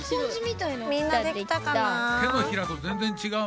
みんなできたかな？